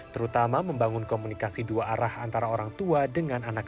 terutama membangun komunikasi dua arah antara orang tua dengan anak anak